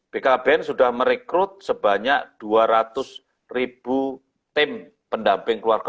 bkbn sudah merekrut sebanyak dua ratus ribu tim pendamping keluarga